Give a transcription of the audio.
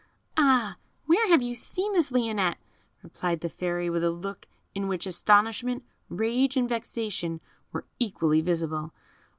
"Ah! where have you seen this Lionette?" replied the Fairy, with a look in which astonishment, rage, and vexation were equally visible.